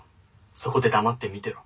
そこで黙って見てろ」。